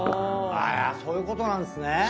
そういうことなんすね。